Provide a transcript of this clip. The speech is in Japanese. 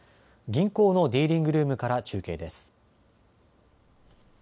銀行のディーリングルームから中継です。